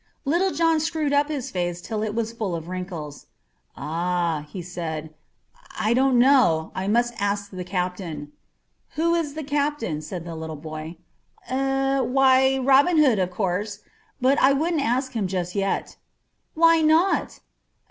Little John screwed up his face till it was full of wrinkles. "Ah," he said, "I don't know. You must ask the captain." "Who is the captain?" said the boy. "Eh? Why, Robin Hood, of course. But I wouldn't ask him just yet." "Why not?"